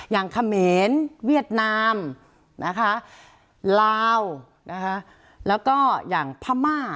อย่างเขมรเวียดนามลาวแล้วก็อย่างพม่า